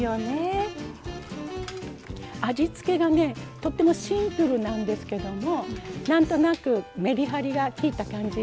味付けがねとってもシンプルなんですけども何となくめりはりがきいた感じかな。